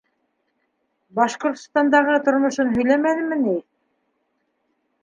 Башҡортостандағы тормошон һөйләмәнеме ни?